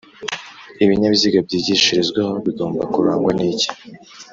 ibinyabiziga byigishirizwaho bigomba kurangwa n' iki?